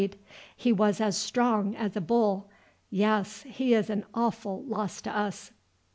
He was as strong as a bull; yes, he is an awful loss to us!